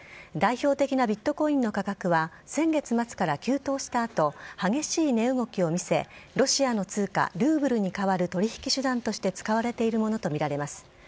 代表的なビットコインの価格は先月末から急騰したあと、激しい値動きを見せ、ロシアの通貨、ルーブルに代わる取り引き手段として使われているものと見られます。